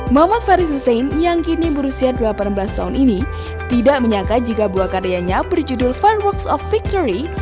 mamat fari hussein yang kini berusia delapan belas tahun ini tidak menyangka jika buah karyanya berjudul fireworks of victory